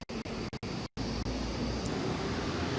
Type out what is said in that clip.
saya tentu saja